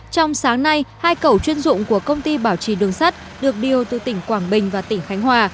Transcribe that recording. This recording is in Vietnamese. trong sáng nay hai cầu chuyên dụng của công ty bảo trì đường sắt được điều từ tỉnh quảng bình và tỉnh khánh hòa